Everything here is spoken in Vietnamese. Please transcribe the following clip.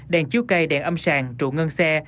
đèn chiếu cây đèn âm sàng trụ ngân xe